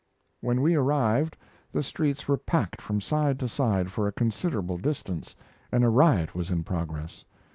When we arrived the streets were packed from side to side for a considerable distance and a riot was in progress.